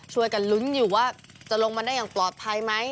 ช่วยกันลุ้นอยู่ว่าจะลงมาได้อย่างปลอดภัยไหม